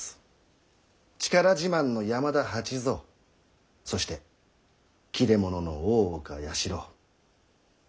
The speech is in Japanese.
力自慢の山田八蔵そして切れ者の大岡弥四郎。